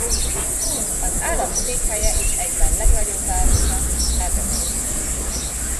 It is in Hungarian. Az állam székhelye és egyben legnagyobb városa Adelaide.